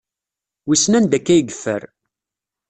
Wissen anda akka ay yeffer.